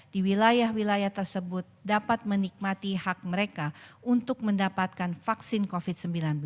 di wilayah wilayah tersebut dapat menikmati hak mereka untuk mendapatkan vaksin covid sembilan belas